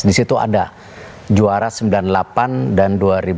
di situ ada juara sembilan puluh delapan dan dua ribu delapan belas